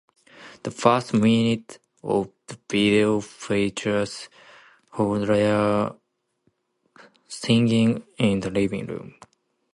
The first minute of the video features Horler singing in the living room.